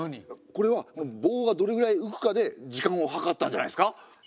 これは棒がどれぐらい浮くかで時間を計ったんじゃないですか？